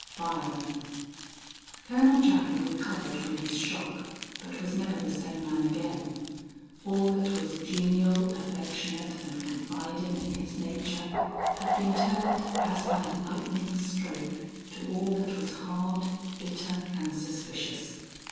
BYRON. "Colonel Japha recovered from his shock, but was never the same man again. All that was genial, affectionate and confiding in his nature, had been turned as by a lightning's stroke, to all that was hard, bitter and suspicious.